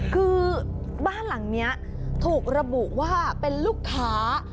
คือบ้านหลังนี้ถูกระบุว่าเป็นลูกค้า